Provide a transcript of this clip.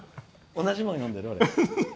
同じもの読んでる？